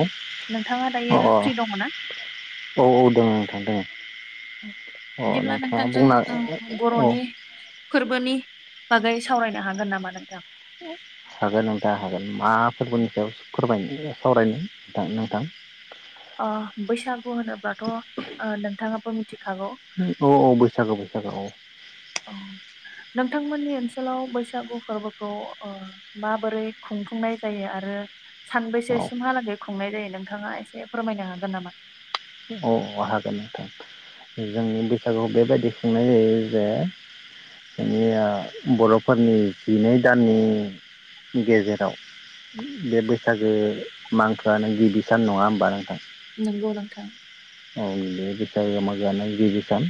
अ नोंथाङा दायो अ फ्रि दङ ना औ औ दोङो औ दङ। बिदिब्ला नोंथांजों ओम औ बर'नि फोरबोनि बागै सावरायनो हागोन नामा नोंथां? हागोन नोंथां हागोन हागोन सावरायनो नोंथां नोंथां अ बैसागु होनोब्लाथ' ओ नोंथाङा कमिटि औ -औ बैसागो हेलौ औ [unintelligible] [unintelligible] नंगौ नोंथां औ बे बैसागो मागोआनो गिबि सान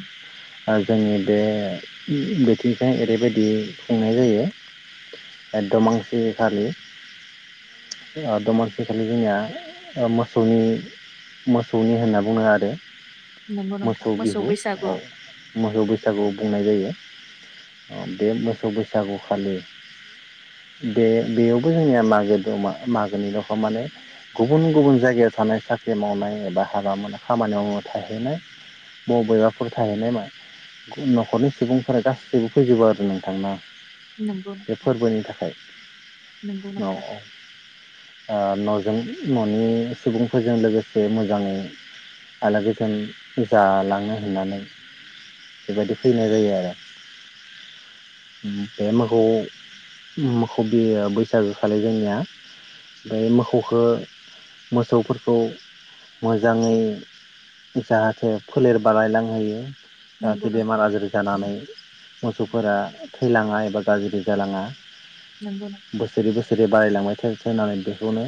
जोंनि बे बोथिंफ्राय ओरैबायदि खुंनाय जायो दमांसिखालि दमांसिखालि जोंनिया मोसौनि सौनि होनना बुङो आरो नंगौ नोंथां मोसौ बिहु बैसागु औ मोसौ बैसागुआव बुंनाय जायो। बे मोसौ बैसागुखालि बे बेयावबो जोंनिया मागो दमा मागोनि दखा माने गुबुन गुबुन जायगायाव थानाय साख्रि मावनाय एबा हाबा मोन खामानि मावनो थाहैनाय बबेबाफोर थाहैनाय न'खरनि सुबुंफोरा गासैबो फैजोबो आरो नोंथांना? नंगौ बे नोंथां फोरबोनि थाखाय नंगौ औ -औ ओ नोंथां न'जों न'नि [unintelligible] मोजाङै जाहाथे फोलेर बारायलांनो होयो। नंगौ जाहाथे नोंथां बेमार आजारि जानानै मोसौफोरा थैलाङा एबा गाज्रि जालाङा। नंगौ नोंथां बोसोरै बोसोरै बारायलांबाय थायो। होननानै बेखौनो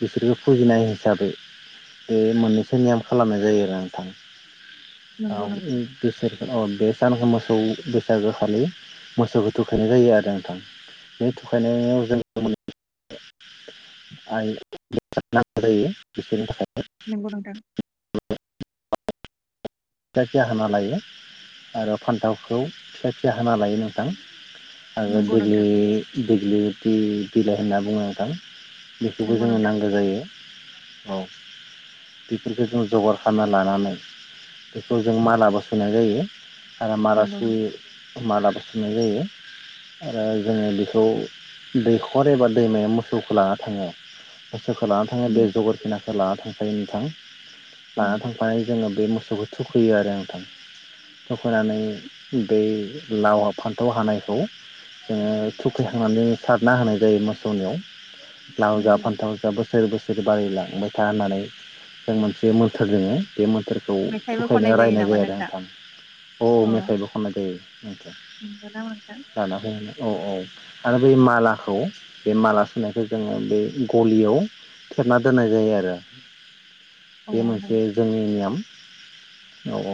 बिसोरखौ फुजिनाय हिसाबै बे मोननैसो नियोम खालामनाय जायो आरो नोंथां। नंगौ नोंथां [unintelligible] [unintelligible] नोंगौ नोंथां। फिसा फिसा हाना लायो आरो फान्थावखौ फिसा फिसा हाना लायो नोंथां। आरो नंगौ दिग्लि नोंथां -दिग्लि बि बिलाइ होनना बुङो नोंथां। बेखौबो नंगौ जोङो नोंथां नांगौ जायो। औ बेखौ जों मालाबो सुनाय जायो। आरो नंगौ मारासि मालाबो सुननाय जायो आरो जोङो बेखौ दैखर एबा दैमायाव मोसौखौ लाना थाङो खौ लानानै थाङो बेे नंगौ जबोर गोनां ला थांखायो नोंथां लाना नंगौ थांफानाय जोङो बे जोबोद थुखैयो आरो नोंथां थुखैनानै बै लाव फान्थाव हानायखौ जोङो थुखैखांनानै सारना होनाय जायो मोसौनियाव लाव जा नंगौ फान्थाव जा बोसोर बोसोर बिदिनो बारायलांहोबाय था होननानै जों मोनसे मोन्थोर दोङो बे मोथोरखौ मेथाइबो बिदिनो खननाय रायनाय नामा जायो नोंथां ओ अ मेथायबो खननाय जा- औ नोथां नंगौ नामा नोंथां लाना होयो औ औ आरो बे मालाखौ बे माला सुनायखौ जोङो बे गलियाव थेबना दोननाय जायो आरो अ बे मोनसे जोंनि नियोम औ औ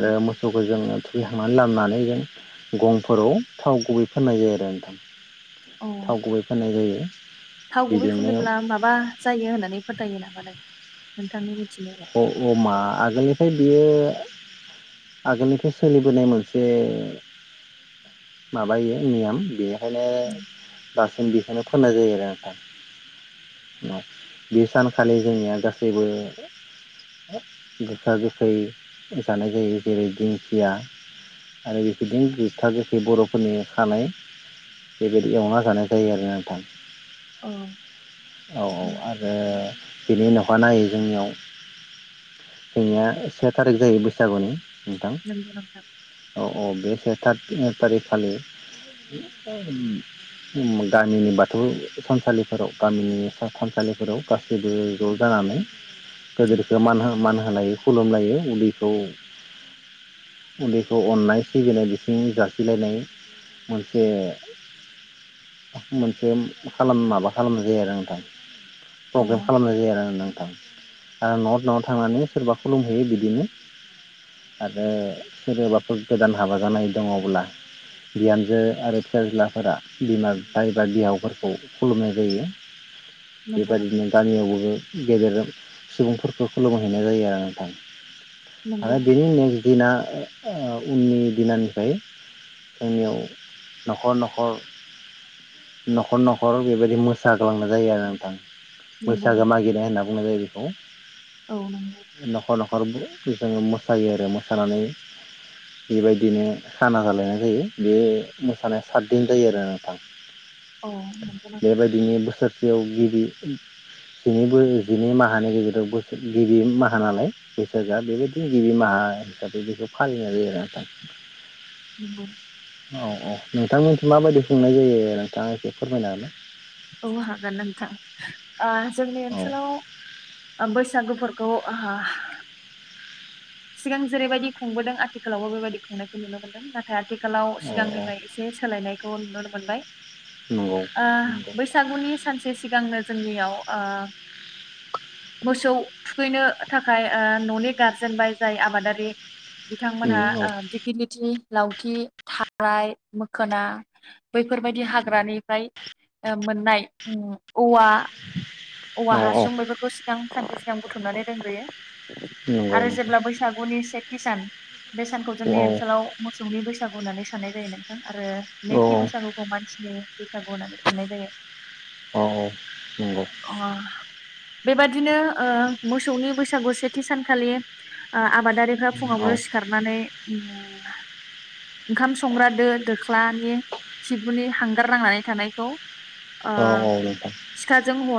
आरो मोसौखो जोङो बिहांनानै लाबोनानै जों गंफोराव थाव गुबै फाननाय जायो आरो नोंथां अ थाव गुबै फोननाय जायो थाव गुबै बिदिनो फुनोब्ला माबा जायो होननानै फोथायो नामा नों नों थांनि बादि- अ अ मा आगोलनिफ्राय बियो आगोलनिफ्राय सोलिबोनाय मोनसे माबायो नियम बेयो खायनो बा दासिम बेखौनो फोननाय जायो आरो नथां बे सानखालि जोंनिया गासैबो गोखा गोखै जानाय जायो जेरै दिंखिया आरो बेफोरदि गोखा गोखै बर'फोरनि खानाय बेबायदि एवना जानाय जायो आरो नोंथां औ औ औ आरो बेनि उनावहाय नायो जोंनियाव जोंनिया से थारिख जायो बैसागुनि नोंथां नंगौ नोंथां औ औ बे से था ओ थारिखखालि गामिनि बाथौ थानसालिफोराव गामिनि थानसालिफोराव गासैबो ज' जानानै नंगौ गोदोरखौ मान मान होनाय खुलुमलायो उन्दैखौ उन्दैखौ अननाय सिबिनाय बिथिं जासिलायनाय मोनसे मोनसे माबा खालामनाय जायो आरो नोंथां अ प्रग्राम खालामनाय जायो आरो ना नोंथां आरो न' न'आव थांनानै सोरबा खुलुमहैयो बिदिनो आरो सोरबाफोर गोदान हाबा जानाय दङब्ला बिहामजो आरो फिसाज्लाफोरा बिमा बिफा एबा बिहावफोरखौ खुलुमनाय जायो। नंगौ नोंथां बेबायदिनो गामियावबो गेदेरजों सुबुंफोरखौ खुलुमहैनाय जायो आरो नोंथां। नंगौ आरो बिदि नेक्स दिना ओ उननि दिनानिफ्राय जोंनियाव न'खर न'खर न'खर न'खर बेबायदि मोसाग्लांनाय जायो आरो नोंथां। नंगौ बैसागो नोंथां मागिनाय होनना बुंनाय जायो खौ। औ नंगौ न'खर न'खरबो जोङो मोसायो आरो मोसानानै बेबायदिनो खाना जालायनाय जायो बे मोसानाया सातदिन जायो आरो नोंथां। औ नंगौ बेबायदिनि बोसोर बेयाव गिबि जिनैबो जिनै माह माहानि गेजेराव बोसोर गिबि माहा नालाय बैसागआ बेबायदिनो गिबि माहा हिसाबै बेखौ फालिनाय जायो आरो नोंथां। नंगौ नों औ औ नोंथांमोनथिं माबायदि खुंनाय जायो नोंथाङा एसे फोरमायनो हागोना? औ हागोन नोंथां ओ जोंनि हागोन ओनसोलाव ओ बैसागो फोर खौ आ हा सिगां जेरैबायदि खुंबोदों आथिखालावबो बेबायदि खुंनायखौ नुनो मोनदों नाथाय आथि खालाव ना? औ सिगांनिफ्राय एसे सोलायनायखौ नुनो मोनबाय नंगौ ओ नंगौ बैसागुनि सानसे सिगांनो जोंनियाव ओ मोसौ थुखैनो थाखाय ओ न'नि गारजेनबाय जाय आबादारि बिथांमोनहा उम औ ओ दिगिलिथि लावथि थाराइ मोखोना बैफोरबायदि हाग्रानिफ्राय मोननाय ओ उम औवा औवा औ औ हासुं बेफोरखौ सिगां सानसे सि सिगां‌ बुथुमनानै दोनग्रोयो। नंगौ आरो नंगौ जेब्ला बैसागुनि से थि सान बे सानखौ जोंनि औ ओनसोलाव मोसौनि बैसागु होननानै साननाय जायो नोंथां। आरो औ नैथि नंगौ बैसागुखौ मानसिनि बै सागु होननानै खुंनाय जायो। औ औ औ अ बेबादिनो ओ मोसौनि बैसागु सेथि सानखालि ओ आबादारिफ्रा फुङावनो सिखारनानै उम ओंखाम संग्रा दो दोख्लानि खिबुनि हांगार नांनानै थानायखौ औ औ नोंथां।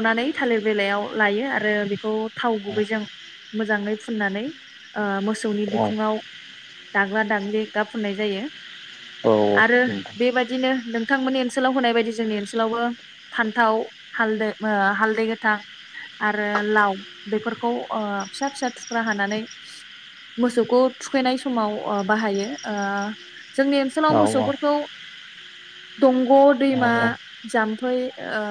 नानै थालिर बिलायाव लायो आरो बेखौ थाव गुबैजों मोजाङै फुननानै ओ मो सौनि बिखुङाव दाग्ला दाग्लि गाब फुननाय जायो। आरो बेबायदिनो थांमोननि ओनसोलाव होनाय बायदि जोंनि ओनसोलावबो फान्थाव, हालदो ओ हालदै गोथां, आरो लाव बेफोरखौ ओ फिसा फिसा थुख्रा हानानै मोसौखौ थुखैनाय समाव बाहायो ओ जोंनि ओनसोलाव मोसौफोरखौ दंग', दैमा, जाम्फै, ओ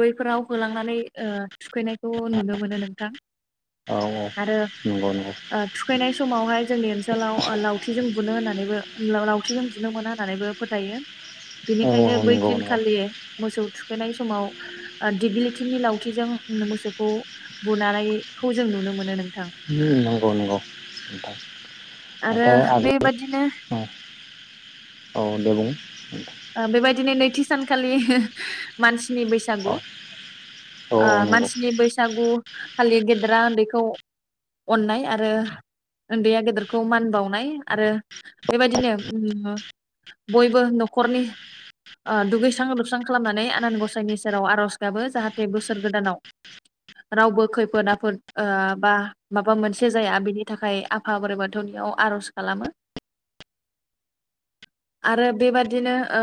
बैफोराव होलांनानै ओ थुखैनायखौ नुनो मोनो नोंथां। आरो नंगौ नंगौ ओ थुखैनाय स मावहाय जोंनि ओनसोलाव लावथिजों बुनो होननानैबो लावथिजों बुनो मोना होननानैबो फोथायो। औ बेनिखायनो बै नंगौ नंगौ दिनखालि मोसौ थुखैनाय समाव दिग्लिथिनि लावथिजों मोसौखौ बुनानैखौ जों नुनो मोनो नों नंगौ नंगौ नोंथां आरो नाथाय आगोल बेबादिनो उम औ दे बुं। ओ बेबायदिनो नैथि सानखालि मान सिनि बैसागु औ औ ओ औ नंगौ मानसिनि बैसागु बे खालि गेदेरा उन्दैखौ अननाय आरो उन्दैया गेदेरखौ मान बावनाय आरो बेबायदिनो उम बयबो नखरनि ओ दुगैस्रां लोबस्रां खालामनानै आनान गसाइनि सेराव आर'ज गाबो जाहाथे बोसोर गोदानाव रावबो खैफोद आफोद ओ बा माबा मोनसे जाया बिनि थाखाय आफा बोराइ बाथौनियाव आर'ज खालामो आरो बेबादि बिदिनो ओ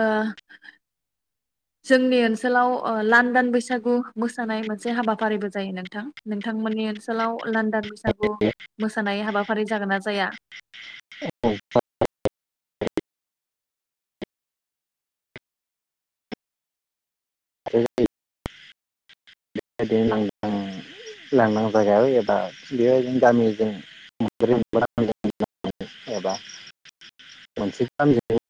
जोंनि ओनसोलाव लांदां बैसागु मोसानाय मोनसे हाबाफारिबो जायो नोंथां नोंथांमोननि ओनसोलाव लांदां बै सागु मोसानाय हाबाफारि जागोन ना जाया? औ [unintelligible] जायो। बेबायदिनो लां लांदां जायगायाव एबा बेबायदिनो गामिजों मोनब्रै मोनबा गामिजों एबा मोनसे गामिजों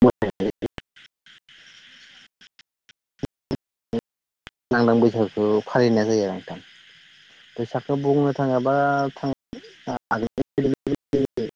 लांदां बैसागुखौ फालिनाय जायो नोंथां बैसागुखौ बुंनो थाङाबा थाङ [unintelligible]